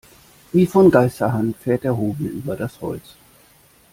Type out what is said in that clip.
Wie von Geisterhand fährt der Hobel über das Holz.